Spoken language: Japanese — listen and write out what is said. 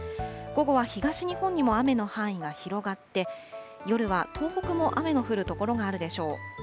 午後は東日本にも雨の範囲が広がって、夜は東北も雨の降る所があるでしょう。